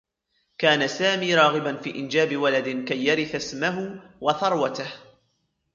كان سامي راغبا في إنجاب ولد كي يرث إسمه و ثروته.